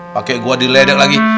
pake gue di ledak lagi